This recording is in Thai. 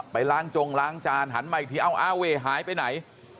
ไปล้างจงล้างจานหันใหม่ทีเอามีอาเวหายไปไหน